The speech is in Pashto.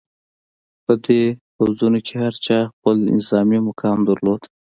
په دې پوځونو کې هر چا خپل نظامي مقام درلود.